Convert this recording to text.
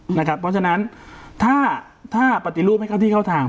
เพราะฉะนั้นถ้าปฏิรูปให้เข้าที่เข้าทาง